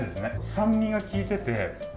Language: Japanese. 酸味がきいていて。